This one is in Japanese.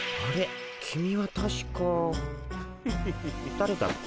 だれだっけ？